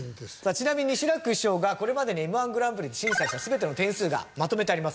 ちなみに志らく師匠がこれまでにＭ−１グランプリで審査した全ての点数がまとめてあります。